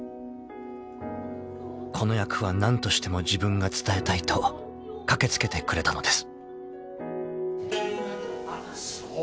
［この役は何としても自分が伝えたいと駆け付けてくれたのです］